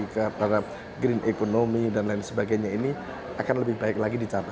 kepada green economy dan lain sebagainya ini akan lebih baik lagi dicapai